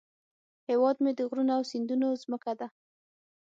هیواد مې د غرونو او سیندونو زمکه ده